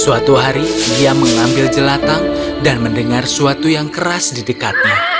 suatu hari dia mengambil jelatang dan mendengar suatu yang keras di dekatnya